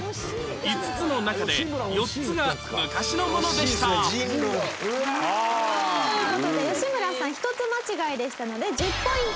５つの中で４つが昔のものでしたという事で吉村さん１つ間違いでしたので１０ポイント。